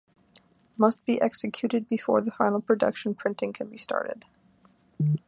Must be executed before the final production printing can be started.